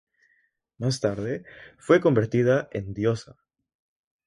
Más tarde fue convertida en diosa.